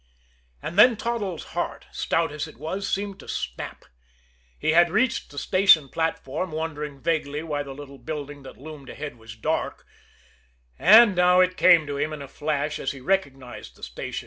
And then Toddles' heart, stout as it was, seemed to snap. He had reached the station platform, wondering vaguely why the little building that loomed ahead was dark and now it came to him in a flash, as he recognized the station.